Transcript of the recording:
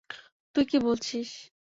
তুই কি বলছিস?